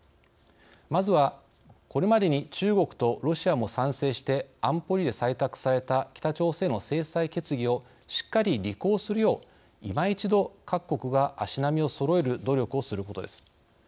まずは、これまでに中国とロシアも賛成して安保理で採択された北朝鮮への制裁決議をしっかり履行するよういま一度各国が足並みをそろえる努力をすることです。